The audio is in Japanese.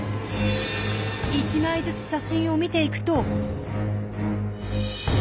１枚ずつ写真を見ていくと。